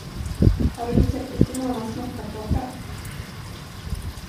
Har du receptet på Monas mockatårta?